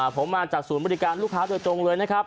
ผมมาจากศูนย์บริการลูกค้าโดยตรงเลยนะครับ